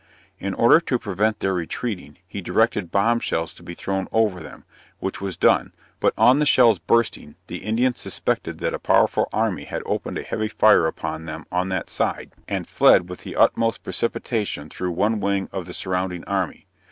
In order to prevent their retreating, he directed bomb shells to be thrown over them, which was done: but on the shells bursting, the Indians suspected that a powerful army had opened a heavy fire upon them on that side, and fled with the utmost precipitation through one wing of the surrounding army.